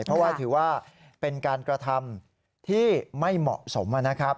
เพราะว่าถือว่าเป็นการกระทำที่ไม่เหมาะสมนะครับ